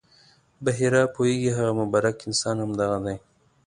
بحیرا پوهېږي هغه مبارک انسان همدغه دی.